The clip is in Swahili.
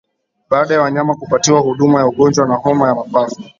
Baada ya wanyama kupatiwa huduma ya ugonjwa wa homa ya mapafu